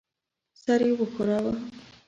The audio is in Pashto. سر یې وښوراوه.